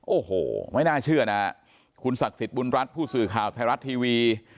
โอ้โหไม่น่าเชื่อนะฮะคุณศักดิ์สิทธิ์บุญรัฐผู้สื่อข่าวไทยรัฐทีวี